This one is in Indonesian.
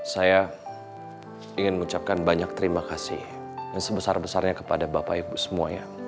saya ingin mengucapkan banyak terima kasih yang sebesar besarnya kepada bapak ibu semuanya